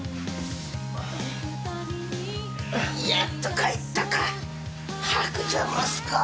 やっと帰ったか薄情息子。